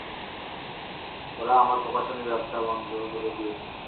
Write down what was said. ওরা আমার প্রকাশনীর ব্যবসা বন্ধ করে দিয়েছে।